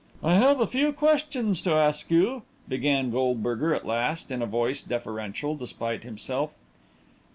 "I have a few questions to ask you," began Goldberger at last, in a voice deferential despite himself.